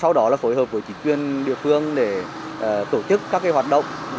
sau đó là phối hợp với chính quyền địa phương để tổ chức các hoạt động